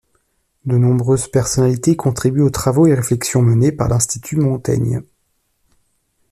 De nombreuses personnalités contribuent aux travaux et réflexions menées par l’institut Montaigne.